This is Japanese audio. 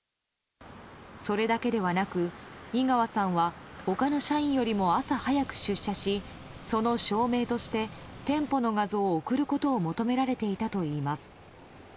それだけではなく井川さんは他の社員よりも朝早く出社しその証明として店舗の画像を送ることを求められていたといいます。